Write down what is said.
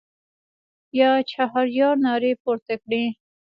یا چهاریار نارې پورته کړې.